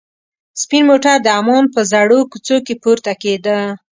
سپین موټر د عمان په زړو کوڅو کې پورته کېده.